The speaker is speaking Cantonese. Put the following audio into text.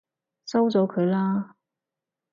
收咗佢啦！